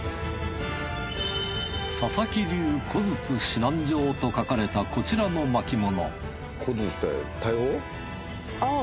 「佐々木流小筒指南状」と書かれたこちらの巻物小筒って大砲？